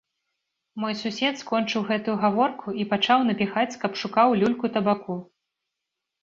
Мой сусед скончыў гэтую гаворку і пачаў напіхаць з капшука ў люльку табаку.